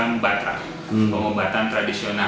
pengobatan batra pengobatan tradisional